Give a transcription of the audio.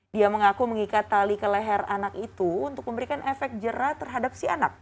dia mengaku mengikat tali ke leher anak itu untuk memberikan efek jerah terhadap si anak